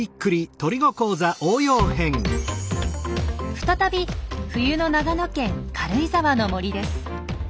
再び冬の長野県軽井沢の森です。